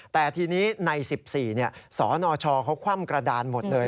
แต่ทีนี้ใน๑๔สนชเขาคว่ำกระดานหมดเลย